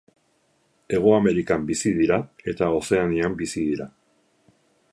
Hego Amerikan bizi dira eta Ozeanian bizi dira.